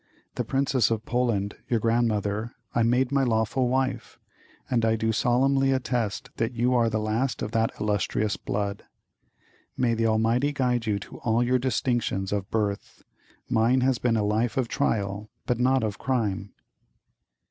The Princess of Poland, your grandmother, I made my lawful wife, and I do solemnly attest that you are the last of that illustrious blood. May the Almighty guide you to all your distinctions of birth! Mine has been a life of trial, but not of crime!"